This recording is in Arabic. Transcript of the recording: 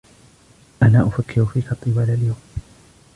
أنا أفكر فيك طوال اليوم.